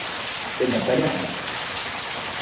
C'est mon palais à moi.